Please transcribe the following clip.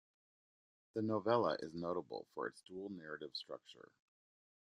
The novella is notable for its dual narrative structure.